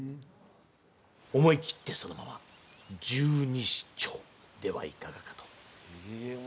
思い切って、そのまま十二指腸ではいかがかと。